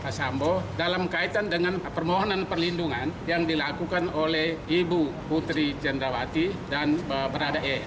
pak sambo dalam kaitan dengan permohonan perlindungan yang dilakukan oleh ibu putri cendrawati dan berada e